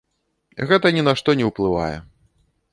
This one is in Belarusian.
Гэта ні на што не ўплывае.